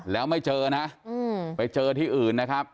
แล้วไม่เจอนะไปเจอที่อื่นนะครับ